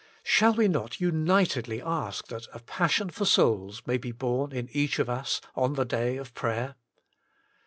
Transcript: Shall we not unitedly ask that A Passion for Souls may be borne in each of us on the day of prayer